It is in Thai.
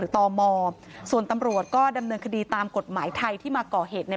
ตมส่วนตำรวจก็ดำเนินคดีตามกฎหมายไทยที่มาก่อเหตุใน